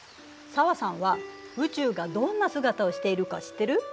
紗和さんは宇宙がどんな姿をしているか知ってる？